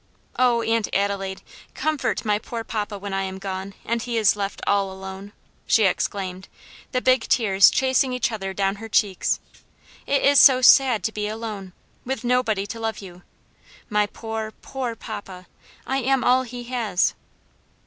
Oh, Aunt Adelaide, comfort my poor papa when I am gone, and he is left all alone!" she exclaimed, the big tears chasing each other down her cheeks. "It is so sad to be alone, with nobody to love you; my poor, poor papa! I am all he has."